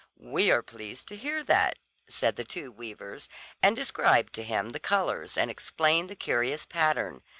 "We are pleased to hear that," said the two weavers, and described to him the colours and explained the curious pattern.